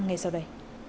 ngày sau đây